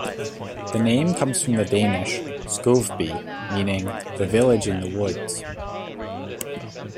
The name comes from the Danish "Skovby", meaning the "Village in the Woods".